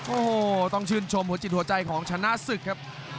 โอ้โหต้องชื่นชมหัวจิตหัวใจของชนะศึกครับ